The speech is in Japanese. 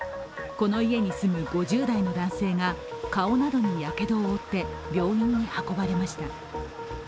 この家に住む５０代の男性が顔などにやけどを負って病院に運ばれました。